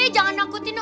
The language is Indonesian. jangan nangkutin aku